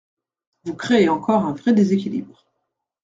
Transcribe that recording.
Vous créez encore un vrai déséquilibre.